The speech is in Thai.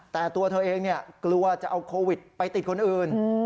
แต่ตัวเธอเองกลัวจะเอาโควิดไปติดคนอื่น